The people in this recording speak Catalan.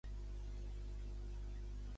Déu no té ni començament, ni mitjà, ni fi.